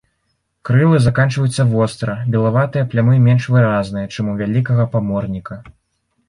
Крылы заканчваюцца востра, белаватыя плямы менш выразныя, чым у вялікага паморніка.